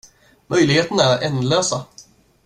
Möjligheterna är ändlösa.